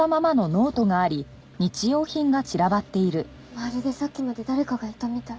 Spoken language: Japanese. まるでさっきまで誰かがいたみたい。